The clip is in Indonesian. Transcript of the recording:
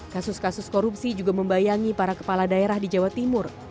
kasus kasus korupsi juga membayangi para kepala daerah di jawa timur